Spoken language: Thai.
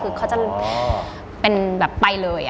คือเขาจะเป็นแบบไปเลย